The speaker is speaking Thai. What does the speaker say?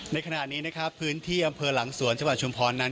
ในขณะนี้นะครับพื้นที่อำเภอหลังสวนจังหวัดชุมพรนั้น